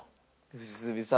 良純さん。